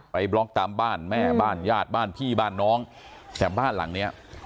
บล็อกตามบ้านแม่บ้านญาติบ้านพี่บ้านน้องแต่บ้านหลังเนี้ย